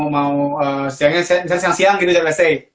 mau siang siang gitu siang siang